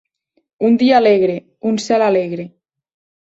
Un dia alegre, un cel alegre.